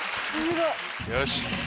よし！